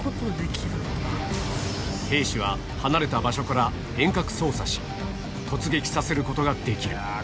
兵士は、離れた場所から遠隔操作し、突撃させることができる。